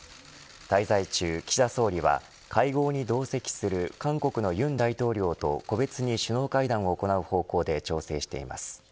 滞在中、岸田総理は、会合に同席する韓国の尹大統領と個別に首脳会談を行う方向で調整しています。